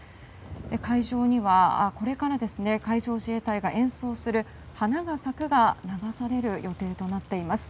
会場にはこれから海上自衛隊が演奏する「花は咲く」が流される予定となっています。